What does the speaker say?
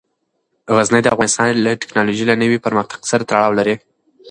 غزني د افغانستان د تکنالوژۍ له نوي پرمختګ سره تړاو لري.